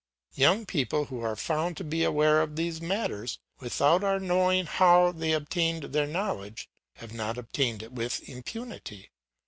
Young people who are found to be aware of these matters, without our knowing how they obtained their knowledge, have not obtained it with impunity.